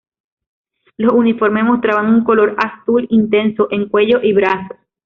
Los uniformes mostraban un color azul intenso en cuello y brazos.